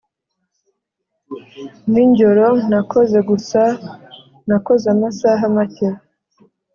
ninjyoro nakoze gusa nakoze amasaha make